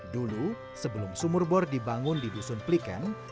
dulu sebelum sumur bor dibangun di dusun pliken